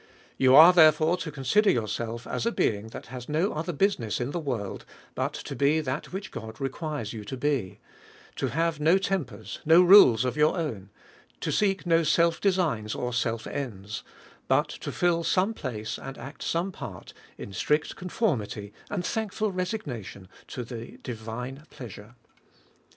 You are, therefore, to consider yourself as a being that has no other business in the world, but to be that which God requires you to be ; to have no tempers, no rules of your own ; to seek no self de signs or self ends, but to fill some place, and act some part in strict conformity and thankful resignation to the divine pleasure.